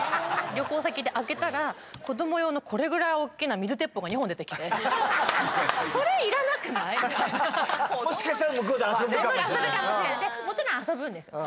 旅行先で開けたら子ども用のこれぐらい大きな水鉄砲が２本出てきてそれいらなくない？みたいなもしかしたら向こうで遊ぶかもでもちろん遊ぶんですよ